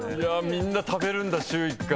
みんな食べるんだ週１回。